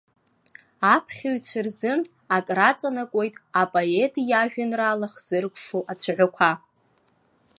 Аԥхьаҩцәа рзын акраҵанакуеит апоет иажәеинраала хзыркәшо ацәаҳәақәа.